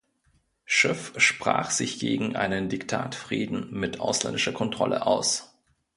Schiff sprach sich gegen einen „Diktatfrieden“ mit ausländischer Kontrolle aus.